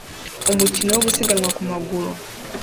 Umukino wo gusiganwa ku maguru